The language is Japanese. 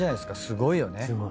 すごいよね。